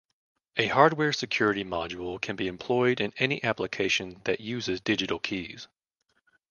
A hardware security module can be employed in any application that uses digital keys.